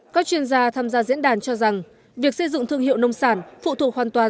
các chuyên gia tham gia diễn đàn cho rằng việc xây dựng thương hiệu nông sản phụ thuộc hoàn toàn